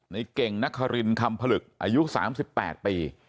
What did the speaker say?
ในเก่งนักฮรินทร์กลำพลึกอายุ๑ปี